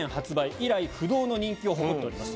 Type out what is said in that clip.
以来、不動の人気を誇っております。